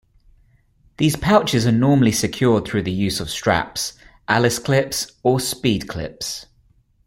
These pouches are normally secured through the use of straps, alice clips or speedclips.